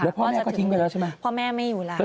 พ่อแม่ก็ทิ้งไปแล้วใช่ไหมพ่อแม่ไม่อยู่แล้ว